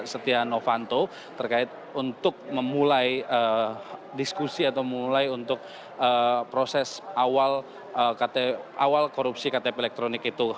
setia novanto terkait untuk memulai diskusi atau memulai untuk proses awal korupsi ktp elektronik itu